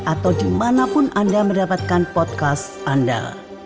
atau dimanapun anda mendapatkan podcast anda